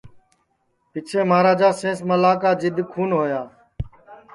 پیچھیں مہاراجا سینس ملا کا جِدؔ کھون ہوا